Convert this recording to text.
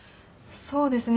そうですね。